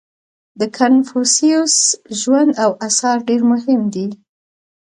• د کنفوسیوس ژوند او آثار ډېر مهم دي.